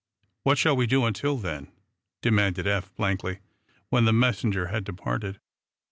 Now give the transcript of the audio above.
"What shall we do until then?" demanded Eph, blankly, when the messenger had departed.